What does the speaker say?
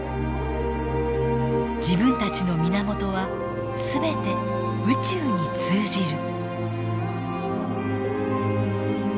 自分たちの源は全て宇宙に通じる。